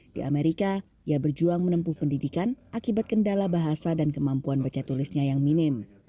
di amerika ia berjuang menempuh pendidikan akibat kendala bahasa dan kemampuan baca tulisnya yang minim